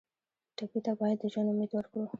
ټپي ته باید د ژوند امید ورکړو.